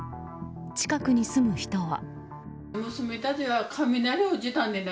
近くに住む人は。